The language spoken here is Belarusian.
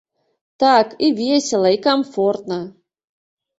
Так, і весела, і камфортна.